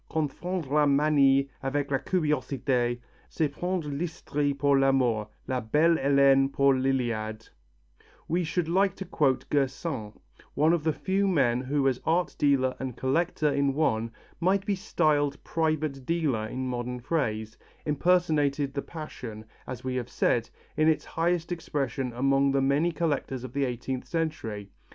confondre la 'manie' avec la curiosité, c'est prendre l'hysterie pour l'amour, 'la Belle Helenè' pour l'Iliade" we should like to quote Gersaint, one of the few men who as art dealer and collector in one, what might be styled private dealer in modern phrase, impersonated the passion, as we have said, in its highest expression among the many collectors of the eighteenth century.